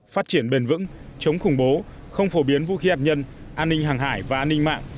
phát triển bền vững chống khủng bố không phổ biến vũ khí hạt nhân an ninh hàng hải và an ninh mạng